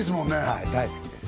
はい大好きです